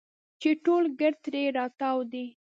چې ټول ګرد ترې راتاو دي.